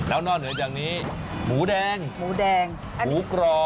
แล้วนอกเหนือจากนี้หมูแดงหมูแดงหมูกรอบ